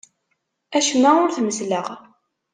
Acemma ur t-messleɣ.